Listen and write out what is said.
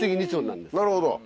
なるほど。